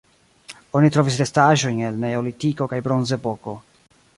Oni trovis restaĵojn el Neolitiko kaj Bronzepoko.